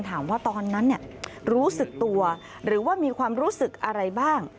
ตอนนั้นรู้สึกตัวหรือว่ามีความรู้สึกอะไรบ้าง